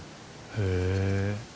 へえ。